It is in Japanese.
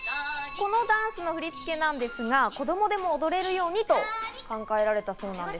このダンスの振り付けなんですが、子供でも踊れるようにと考えられたそうなんです。